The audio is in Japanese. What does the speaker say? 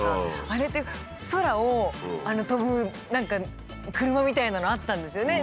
あれで空を飛ぶ何か車みたいなのあったんですよね。